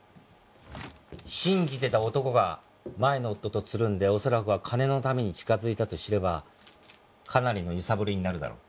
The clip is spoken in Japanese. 信じてた男が前の夫とつるんで恐らくは金のために近づいたと知ればかなりの揺さぶりになるだろう。